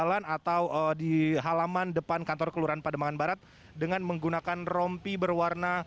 di halaman depan kantor kelurahan pademangan barat dengan menggunakan rompi berwarna